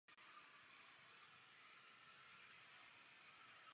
V rodné obci navštěvoval základní školu.